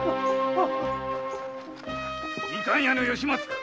みかん屋の吉松か。